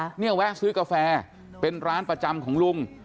เนี่ยแวะซื้อกาแฟเป็นร้านประจำของลุง